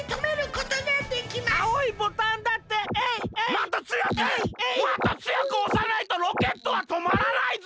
もっとつよくおさないとロケットはとまらないぞ！